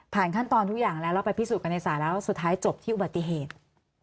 ขั้นตอนทุกอย่างแล้วแล้วไปพิสูจนกันในศาลแล้วสุดท้ายจบที่อุบัติเหตุ